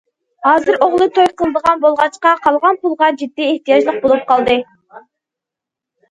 ھازىر ئوغلى توي قىلىدىغان بولغاچقا، قالغان پۇلغا جىددىي ئېھتىياجلىق بولۇپ قالغانىدى.